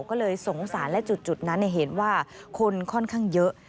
ก็เลยสงสารและจุดนั้นเห็นว่าคนค่อนข้างเยอะ